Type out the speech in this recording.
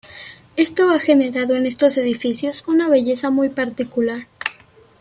Esto ha generado en estos edificios una belleza muy particular.